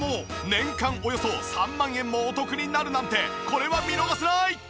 年間およそ３万円もお得になるなんてこれは見逃せない！